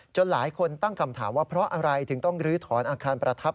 หลายคนตั้งคำถามว่าเพราะอะไรถึงต้องลื้อถอนอาคารประทับ